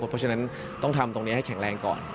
เพราะฉะนั้นต้องทำตรงนี้ให้แข็งแรงก่อน